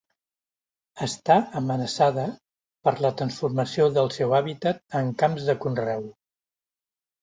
Està amenaçada per la transformació del seu hàbitat en camps de conreu.